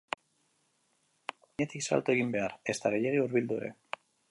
Ez da suaren gainetik salto egin behar, ezta gehiegi hurbildu ere.